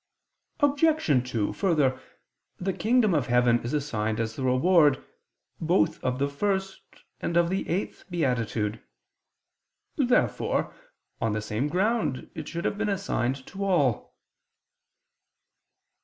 Obj. 2: Further, the kingdom of heaven is assigned as the reward, both of the first and of the eighth beatitude. Therefore, on the same ground it should have been assigned to all.